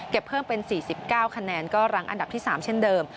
เพิ่มเป็น๔๙คะแนนก็รังอันดับที่๓เช่นเดิม